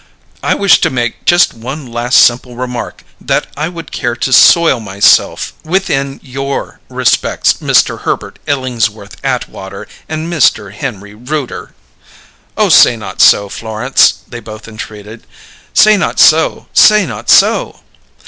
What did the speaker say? "I wish to make just one last simple remark that I would care to soil myself with in your respects, Mister Herbert Illingsworth Atwater and Mister Henry Rooter!" "Oh, say not so, Florence!" they both entreated. "Say not so! Say not so!"